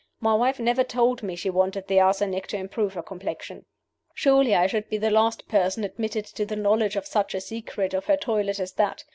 "My wife never told me she wanted the arsenic to improve her complexion. Surely I should be the last person admitted to the knowledge of such a secret of her toilet as that?